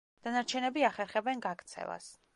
დანარჩენები ახერხებენ გაქცევას.